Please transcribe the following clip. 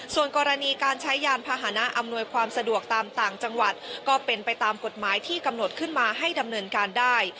ส่วนกรณีการใช้ยานพาหนะอำนวยความสะดวกตามต่างจังหวัดก็เป็นไปตามกฎหมายที่กำหนดขึ้นมาให้ดำเนินการได้